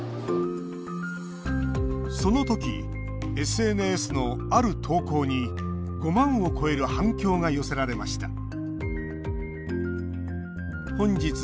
そのときＳＮＳの、ある投稿に５万を超える反響が寄せられました